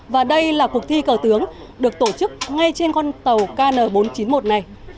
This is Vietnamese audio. và đây là cuộc thi cờ tướng được tổ chức ngay trên con tàu kn bốn trăm chín mươi một này